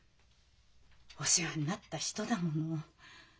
お世話になった人だもの。